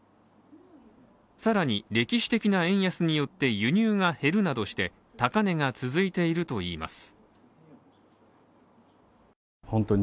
更に歴史的な円安によって輸入が減るなどして高値が続いているといいます。